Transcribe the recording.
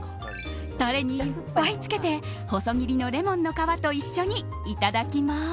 タレにいっぱいつけて細切りのレモンの皮と一緒にいただきます。